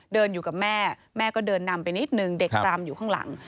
เดินอยู่กับแม่แม่ก็เดินนำไปนิดนึงเด็กรำอยู่ข้างหลัง